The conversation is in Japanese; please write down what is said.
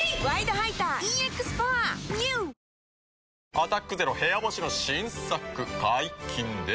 「アタックＺＥＲＯ部屋干し」の新作解禁です。